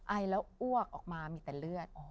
ไอแล้วอ้วกออกมามีแต่เลือด